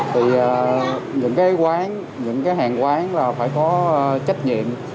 thì những cái quán những cái hàng quán là phải có trách nhiệm